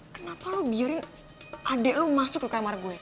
kenapa lo biori adik lo masuk ke kamar gue